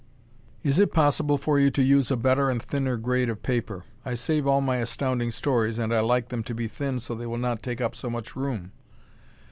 Is it possible for you to use a better and thinner grade of paper? I save all my Astounding Stories and I like them to be thin so they will not take up so much room.